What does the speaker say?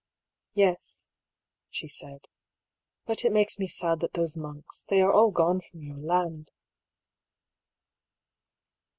*^ Tes," she said. ^' But it makes me sad that those monks, they are all gone from your land."